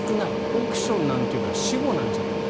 億ションなんていうのは死語なんじゃないか。